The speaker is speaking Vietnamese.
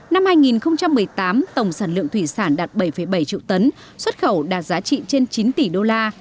năm hai nghìn một mươi tám tổng sản lượng thủy sản đạt bảy bảy triệu tấn xuất khẩu đạt giá trị trên chín tỷ đô la